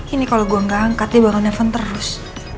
ini kalo gua gak angkat dia baru neven terus